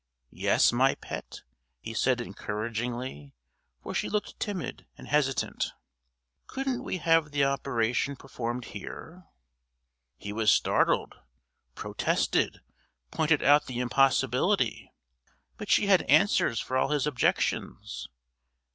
"Yes, my pet," he said encouragingly, for she looked timid and hesitant. "Couldn't we have the operation performed here?" He was startled; protested, pointed out the impossibility. But she had answers for all his objections.